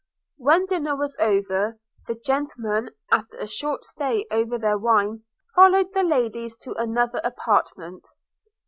When dinner was over, the gentlemen, after a short stay over their wine, followed the ladies to another apartment.